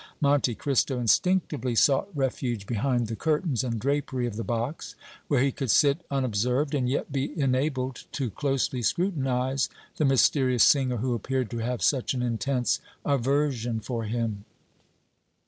Monte Cristo instinctively sought refuge behind the curtains and drapery of the box, where he could sit unobserved and yet be enabled to closely scrutinize the mysterious singer who appeared to have such an intense aversion for him.